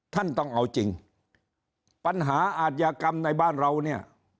ท่านต้องเอาจริงปัญหาอาทยากรรมในบ้านเราเนี่ย